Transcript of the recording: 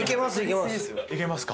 いけますか。